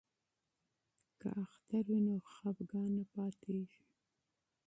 که اختر وي نو خفګان نه پاتیږي.